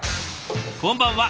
こんばんは。